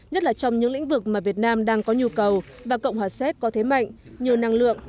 nhất là trong những lĩnh vực mà việt nam đang có nhu cầu và cộng hòa séc có thế mạnh như năng lượng